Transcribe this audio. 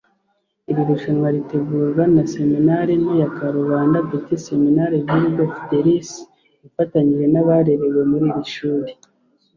Iri rushanwa ritegurwa na Seminari nto ya Karubanda (Petit Seminaire Virgo Fidelis) ifatanyije n’abarerewe muri iri shuri